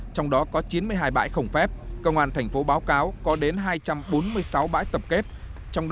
trong đó có chín mươi hai bãi không phép cơ quan thành phố báo cáo có đến hai trăm bốn mươi sáu bãi tập kết